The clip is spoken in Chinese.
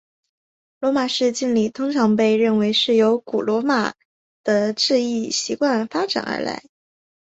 罗马式敬礼通常被认为是由古罗马的致意习惯发展而来。